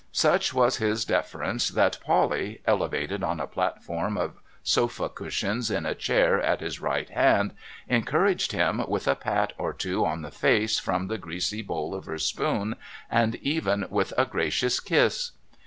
Such was his deference that Polly, elevated on a platform of sofa cushions in a chair at his right hand, encouraged him with a pat or two on the face from the greasy bowl of her spoon, and even with a gracious kiss.